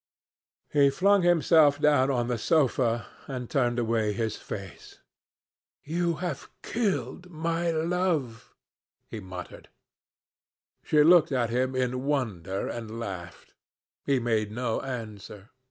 He flung himself down on the sofa and turned away his face. "You have killed my love," he muttered. She looked at him in wonder and laughed. He made no answer.